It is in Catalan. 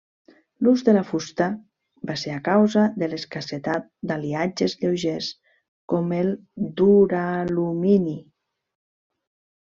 L'ús de la fusta va ser a causa de l'escassetat d'aliatges lleugers com el duralumini.